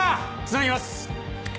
つなぎます。